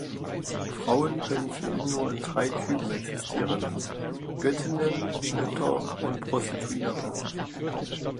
Frauen können für ihn nur in drei Typen existieren: Göttinnen, Mütter und Prostituierte.